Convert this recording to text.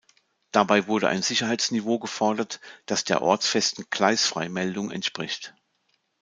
Dabei wurde ein Sicherheitsniveau gefordert, das der ortsfesten Gleisfreimeldung entspricht.